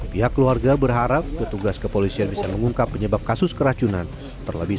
pihak keluarga berharap petugas kepolisian bisa mengungkap penyebab kasus keracunan terlebih